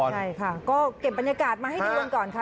ใช่ค่ะก็เก็บบรรยากาศมาให้ดูกันก่อนค่ะ